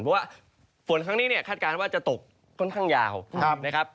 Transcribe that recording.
เพราะว่าฝนครั้งนี้เนี่ยคาดการณ์ว่าจะตกค่อนข้างยาวนะครับ